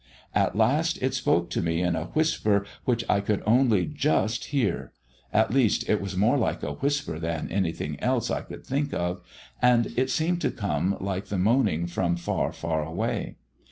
At last it spoke to me in a whisper which I could only just hear; at least it was more like a whisper than anything else I can think of, and it seemed to come like the moaning from far far away.